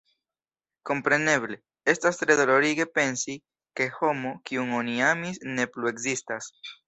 Kompreneble, estas tre dolorige pensi, ke homo, kiun oni amis, ne plu ekzistas.